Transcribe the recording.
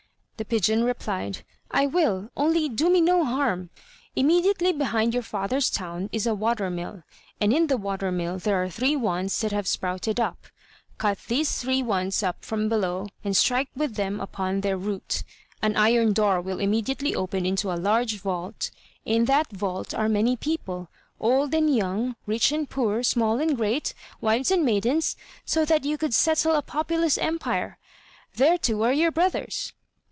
The pigeon replied: "I will; only do me no harm. Immediately behind your father's town is a water mill, and in the water mill are three wands that have sprouted up. Cut these three wands up from below, and strike with them upon their root; an iron door will immediately open into a large vault. In that vault are many people, old and young, rich and poor, small and great, wives and maidens, so that you could settle a populous empire; there, too, are your brothers."